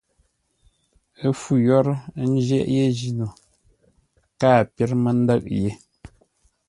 Ə́ fû yórə́, ə́ njyéʼ yé jíno, káa pyér mə́ ndə̂ʼ yé.